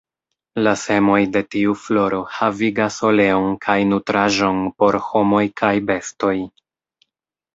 La semoj de tiu floro havigas oleon kaj nutraĵon por homoj kaj bestoj.